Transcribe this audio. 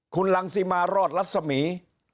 คุณลังซีมารอดลัศมี